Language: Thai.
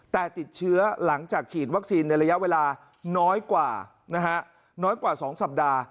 แต่ติดเชื้อหลังจากฉีดวัคซีนในระยะเวลาน้อยกว่านะฮะน้อยกว่า๒สัปดาห์